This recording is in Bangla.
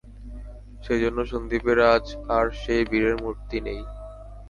সেইজন্য সন্দীপের আজ আর সেই বীরের মূর্তি নেই।